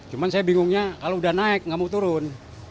cuman saya bingungnya kalau udah naik gak mau turun